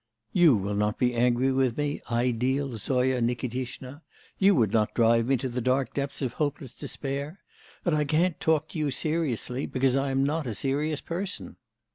'You will not be angry with me, ideal Zoya Nikitishna; you would not drive me to the dark depths of hopeless despair. And I can't talk to you seriously, because I'm not a serious person.